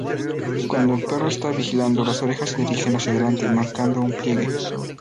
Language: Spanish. Cuando el perro está vigilando, las orejas se dirigen hacia delante marcado un pliegue.